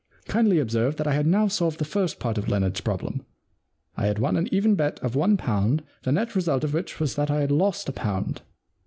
Kindly observe that I had now solved the first part of Leonard's problem. I had won an even bet of one pound the net result of which was that I had lost a pound.